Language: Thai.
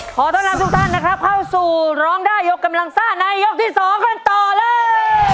ขอต้อนรับทุกท่านนะครับเข้าสู่ร้องได้ยกกำลังซ่าในยกที่๒กันต่อเลย